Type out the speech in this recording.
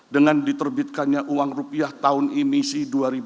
dengan diterbitkannya uang rupiah tahun emisi dua ribu dua puluh